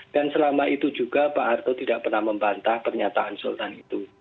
selama itu juga pak harto tidak pernah membantah pernyataan sultan itu